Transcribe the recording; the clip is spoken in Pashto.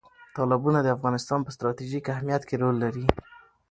تالابونه د افغانستان په ستراتیژیک اهمیت کې رول لري.